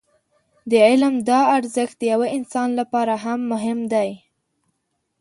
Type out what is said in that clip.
د علم دا ارزښت د يوه انسان لپاره هم مهم دی.